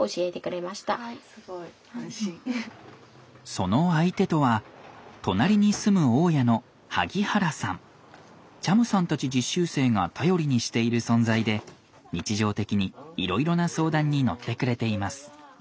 その相手とは隣に住む大家のチャムさんたち実習生が頼りにしている存在で日常的にいろいろな相談に乗ってくれています。